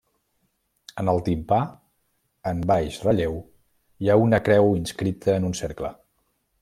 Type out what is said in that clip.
En el timpà, en baix relleu, hi ha una creu inscrita en un cercle.